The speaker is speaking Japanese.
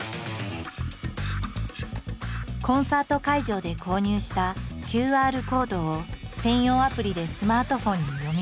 コンサート会場で購入したＱＲコードを専用アプリでスマートフォンに読み込む。